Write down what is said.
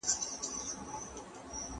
هغه استاد چي څېړونکی نه وي لارښوونه نه کوي.